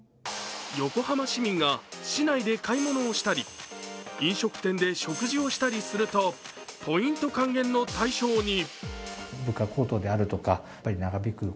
横浜市民が市内で買い物したり飲食店で食事をしたりするとポイント還元の対象に。